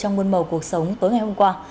trong môn mộc cuộc sống tối ngày hôm qua